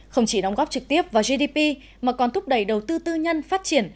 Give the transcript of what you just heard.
không chỉ đóng góp trực tiếp vào gdp mà còn thúc đẩy đầu tư tư nhân phát triển